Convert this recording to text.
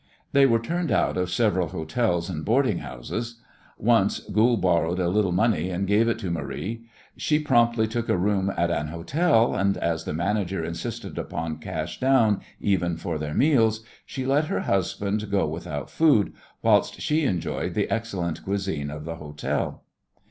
They were turned out of several hotels and boarding houses. Once Goold borrowed a little money and gave it to Marie. She promptly took a room at an hotel, and as the manager insisted upon cash down, even for their meals, she let her husband go without food, whilst she enjoyed the excellent cuisine of the hotel.